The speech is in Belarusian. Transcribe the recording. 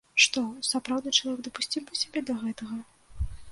Што, сапраўдны чалавек дапусціў бы сябе да гэтага?